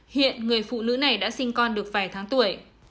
hiện người phụ nữ này đã sinh con được vài tháng tuổi